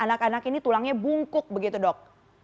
anak anak ini tulangnya bungkuk begitu dok